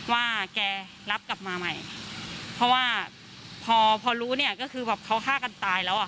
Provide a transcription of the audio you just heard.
ว่าแกรับกลับมาใหม่เพราะว่าพอพอรู้เนี่ยก็คือแบบเขาฆ่ากันตายแล้วอ่ะ